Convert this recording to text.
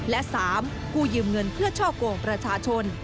และ๓กู้ยืมเงินเพื่อช่อกงประชาชน